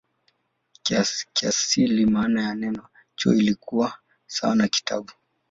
Kiasili maana ya neno "chuo" ilikuwa sawa na "kitabu".